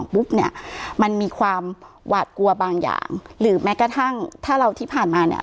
ปุ๊บเนี่ยมันมีความหวาดกลัวบางอย่างหรือแม้กระทั่งถ้าเราที่ผ่านมาเนี่ย